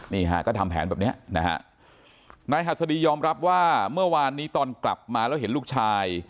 นี่ฮะก็ทำแผนแบบเนี้ยนะฮะนายหัสดียอมรับว่าเมื่อวานนี้ตอนกลับมาแล้วเห็นลูกชาย